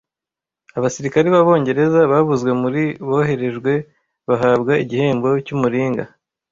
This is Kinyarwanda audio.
Abasirikare b'Abongereza bavuzwe muri boherejwe bahabwa igihembo cy'umuringa